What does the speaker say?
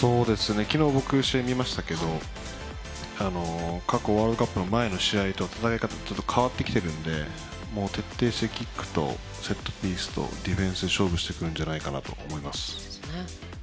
昨日、僕、試合見ましたが過去ワールドカップの前の試合と戦い方変わってきているので徹底してキックとセットピースとディフェンスで勝負してくるんじゃないかなと思います。